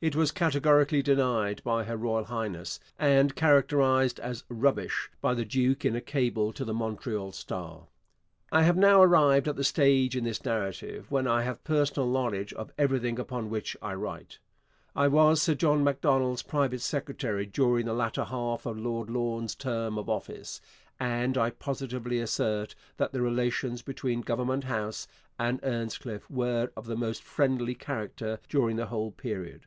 It was categorically denied by Her Royal Highness, and characterized as 'rubbish' by the duke in a cable to the Montreal Star. I have now arrived at the stage in this narrative when I have personal knowledge of everything upon which I write. I was Sir John Macdonald's private secretary during the latter half of Lord Lorne's term of office, and I positively assert that the relations between Government House and Earnscliffe were of the most friendly character during the whole period.